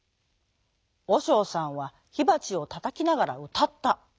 おしょうさんはひばちをたたきながらうたった。